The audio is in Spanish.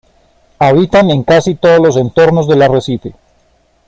Habitan en casi todos los entornos del arrecife.